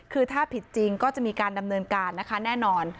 คือถ้าผิดจริงก็จะมีการดำเนินการนะคะแน่นอน